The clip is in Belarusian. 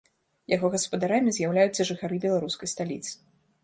Яго гаспадарамі з'яўляюцца жыхары беларускай сталіцы.